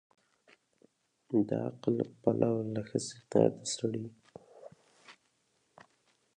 د عقل له پلوه له ښځې نه د سړي